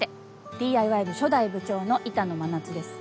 ＤＩＹ部初代部長の板野真夏です。